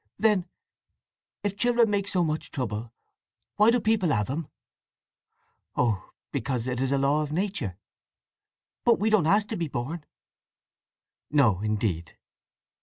"Then if children make so much trouble, why do people have 'em?" "Oh—because it is a law of nature." "But we don't ask to be born?" "No indeed."